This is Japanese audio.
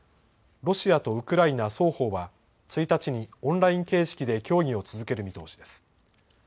ロシアとウクライナ双方は、１日にオンライン形式で協議を続ける見通しです。